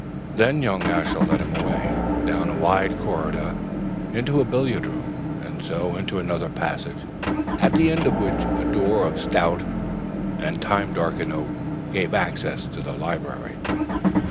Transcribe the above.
Then young Ashiel led him away, down a wide corridor into the billiard room, and so into another passage, at the end of which a door of stout and time darkened oak gave access to the library.